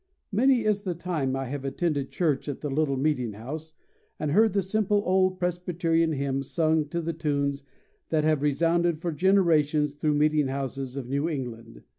Many is the time I have attended church at the little meeting house, and heard the simple old Presbyterian hymns sung to the tunes that have resounded for generations through the meeting houses of New England.